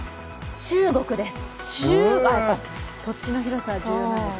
中国です。